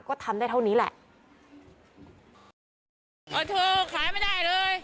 ก็ทำได้เท่านี้แหละ